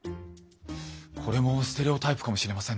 これもステレオタイプかもしれませんね。